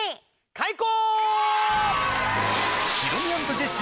開講！